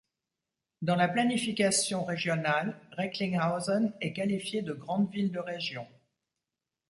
Dans la planification régionale, Recklinghausen est qualifiée de grande ville de région.